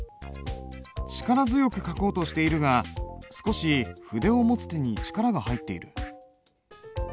力強く書こうとしているが少し筆を持つ手に力が入っている。